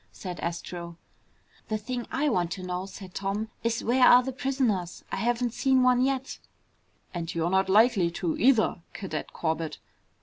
said Astro. "The thing I want to know," said Tom, "is where are the prisoners? I haven't seen one yet." "And you're not likely to, either, Cadet Corbett!"